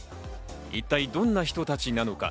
一体どんな人たちなのか？